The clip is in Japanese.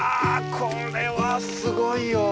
これはすごいよ！